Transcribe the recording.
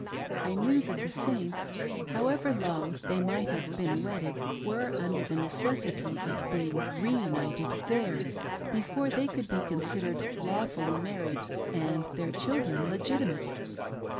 I knew that the Saints, however long they might have been wedded, were under the necessity of being reunited there before they could be con sidered lawfully married and their children legitimate.